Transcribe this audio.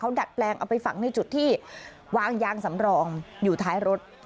ดัดแปลงเอาไปฝังในจุดที่วางยางสำรองอยู่ท้ายรถ